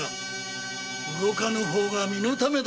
動かぬ方が身のためだぞ！